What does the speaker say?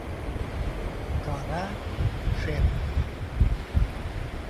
Кара — шем.